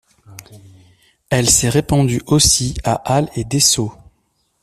Elle s'est répandue aussi à Halle et Dessau.